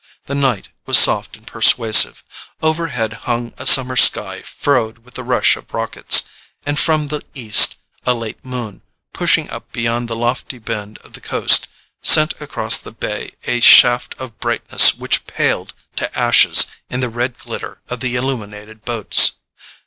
The night was soft and persuasive. Overhead hung a summer sky furrowed with the rush of rockets; and from the east a late moon, pushing up beyond the lofty bend of the coast, sent across the bay a shaft of brightness which paled to ashes in the red glitter of the illuminated boats.